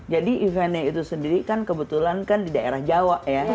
eventnya itu sendiri kan kebetulan kan di daerah jawa ya